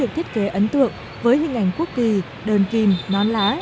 thiết kế ấn tượng với hình ảnh quốc kỳ đờn kìm non lá